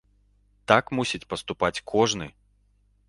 Так мусіць паступаць кожны.